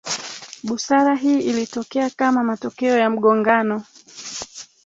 busara Hii ilitokea kama matokeo ya mgongano